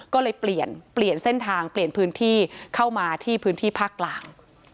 ก็เลยเปลี่ยนเปลี่ยนเส้นทางเปลี่ยนพื้นที่เข้ามาที่พื้นที่ภาคกลาง